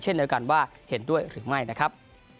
เช่นเดียวกันว่าเห็นด้วยหรือไม่นะครับ